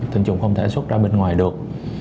tinh trùng không thể xuất ra bên ngoài được